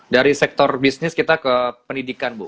dari sektor bisnis kita ke pendidikan bu